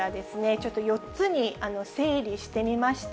ちょっと４つに整理してみました。